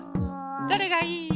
どれがいい？